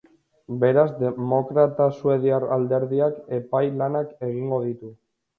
Beraz, demokrata suediar alderdiak epai lanak egingo ditu.